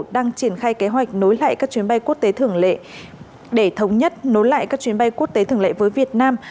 đang triển khai kế hoạch nối lại các chuyến bay quốc tế thường lệ để thống nhất nối lại các chuyến bay quốc tế thường lệ với việt nam